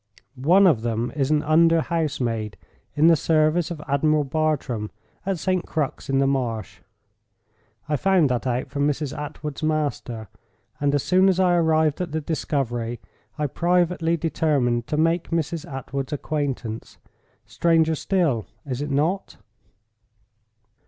One of them is an under housemaid in the service of Admiral Bartram, at St. Crux in the Marsh. I found that out from Mrs. Attwood's master; and as soon as I arrived at the discovery, I privately determined to make Mrs. Attwood's acquaintance. Stranger still, is it not?"